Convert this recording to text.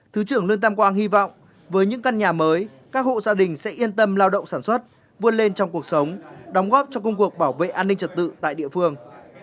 thứ trưởng lương tam quang hy vọng với những căn nhà mới các hộ gia đình sẽ yên tâm lao động sản xuất vươn lên trong cuộc sống đóng góp cho công cuộc bảo vệ an ninh trật tự tại địa phương